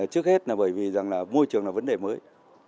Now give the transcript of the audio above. trước hết là bởi vì môi trường là vấn đề mới